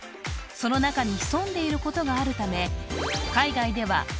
その中に潜んでいることがあるため海外では○